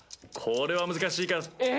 これは難しいか。